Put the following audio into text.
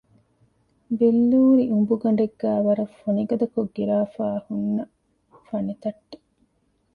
ބިއްލޫރި އުނބުގަނޑެއްގައި ވަރަށް ފޮނިގަދަކޮށް ގިރާފައި ހުންނަ ފަނިތަށްޓެއް